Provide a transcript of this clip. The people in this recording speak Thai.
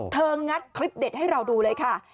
งัดคลิปเด็ดให้เราดูเลยค่ะ